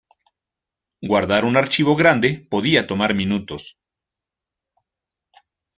Guardar un archivo grande podía tomar minutos.